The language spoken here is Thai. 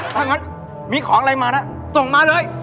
ถ้างั้นมีของอะไรมานะส่งมาเลย